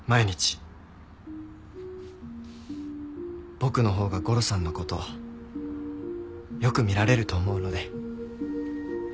僕のほうがゴロさんの事よく見られると思うので。